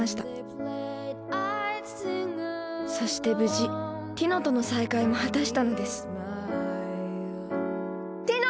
そして無事ティノとの再会も果たしたのですティノ！